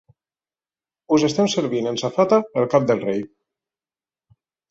Us estem servint en safata el cap del rei.